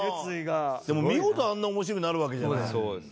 でも見事あんな面白くなるわけじゃない。